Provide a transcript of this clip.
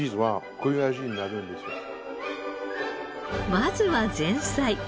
まずは前菜。